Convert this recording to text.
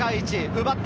奪った！